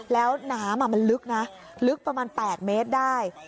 แล้วน้ำมันลึกนะลึกประมาณ๘เมตรได้